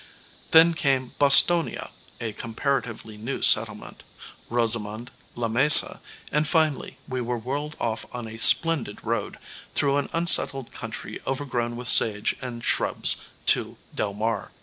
Then came Bostonia, a comparatively new settlement, Rosamond, La Mesa, and finally we whirled off on a splendid road, through an unsettled country overgrown with sage and shrubs, to Del Mar.